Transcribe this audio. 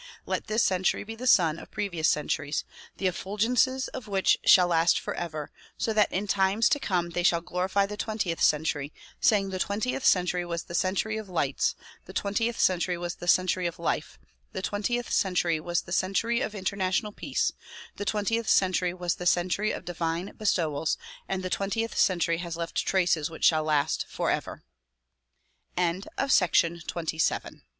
Let this century be the sun of previ ous centuries the effulgences of which shall last forever, so that in times to come they shall glorify the twentieth century, saying the twentieth century was the century of lights, the twentieth century was the century of life, the twentieth century was the cen tuiy of international peace, the twentieth century was the century of divine bestowals and the twentieth century has left traces whic